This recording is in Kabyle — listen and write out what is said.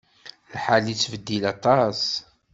Lḥal yettbeddil aṭas.